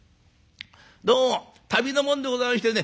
どうも旅の者でございましてね